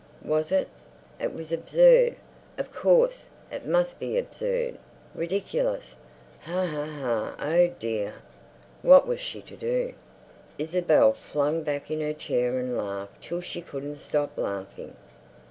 Was it? It was absurd, of course, it must be absurd, ridiculous. "Ha, ha, ha! Oh dear!" What was she to do? Isabel flung back in her chair and laughed till she couldn't stop laughing.